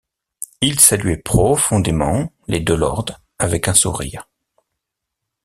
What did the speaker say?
Il saluait profondément les deux lords avec un sourire.